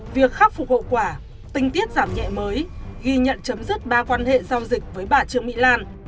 việc khắc phục hậu quả tinh tiết giảm nhẹ mới ghi nhận chấm dứt ba quan hệ giao dịch với bà trương mỹ lan